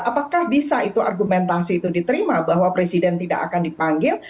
apakah bisa itu argumentasi itu diterima bahwa presiden tidak akan dipanggil